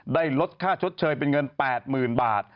ลดค่าชดเชยเป็นเงิน๘๐๐๐บาท